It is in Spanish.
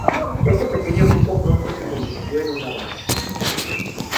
Este pequeño grupo pronto se convirtió en una rama.